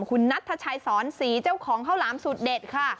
คุณนัทชัยสอนศรีเจ้าของข้าวหลามสูตรเด็ดค่ะ